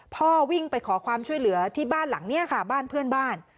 พ่อวิ่งไปขอความช่วยเหลือที่บ้านหลังนี้ค่ะบ้านเพื่อนบ้าน